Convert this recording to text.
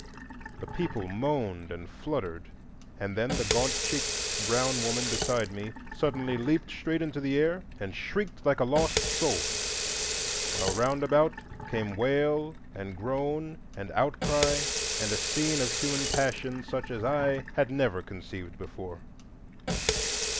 The people moaned and fluttered, and then the gaunt cheeked brown woman beside me suddenly leaped straight into the air and shrieked like a lost soul, while round about came wail and groan and outcry, and a scene of human passion such as I had never conceived before.